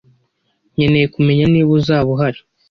Nkeneye kumenya niba uzaba uhari.